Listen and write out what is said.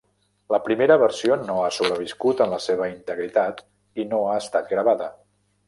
La primera versió no ha sobreviscut en la seva integritat, i no ha estat gravada.